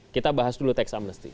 kita bahas dulu tax amnesty